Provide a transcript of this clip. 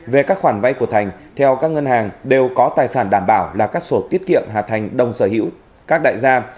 về các khoản vay của thành theo các ngân hàng đều có tài sản đảm bảo là các sổ tiết kiệm hà thành đông sở hữu các đại gia